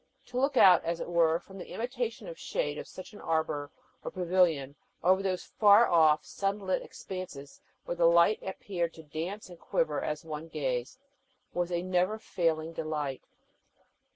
To look out, as it were, from the imitation shade of such an arbor, or pavilion, over those far off, sun lit expanses where the light appeared to dance and quiver as one gazed, was a never failing delight.